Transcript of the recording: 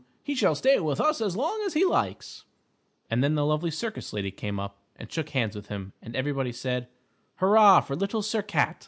He shall stay with us as long as he likes," and then the lovely circus lady came up and shook hands with him, and everybody said, "Hurrah for Little Sir Cat!"